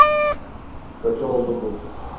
Kötü oldu bu.